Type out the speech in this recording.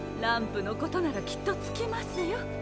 ランプのことならきっとつきますよ。